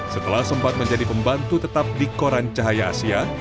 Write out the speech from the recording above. setelah sempat menjadi pembantu tetap di koran cahaya asia